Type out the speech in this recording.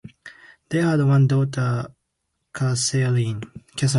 They had one daughter, Katherine.